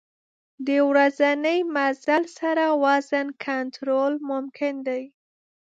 د ورځني مزل سره وزن کنټرول ممکن دی.